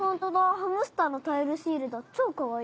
ハムスターのタイルシールだ超かわいい。